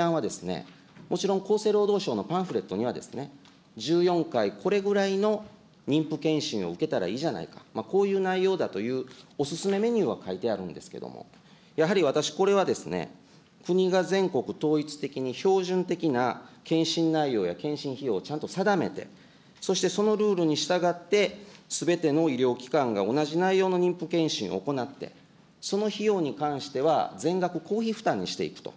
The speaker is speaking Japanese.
きょう、私からの提案は、もちろん、厚生労働省のパンフレットには１４回、これぐらいの妊婦健診を受けたらいいじゃないか、こういう内容だというお勧めメニューが書いてあるんですけども、やはり私、これはですね、国が全国統一的に標準的な健診内容や健診費用をちゃんと定めて、そして、そのルールに従って、すべての医療機関が同じ内容の妊婦健診を行って、その費用に関しては全額公費負担にしていくと。